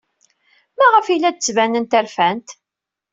Maɣef ay la d-ttbanent rfant?